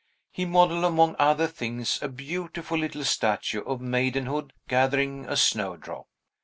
He modelled, among other things, a beautiful little statue of maidenhood gathering a snowdrop.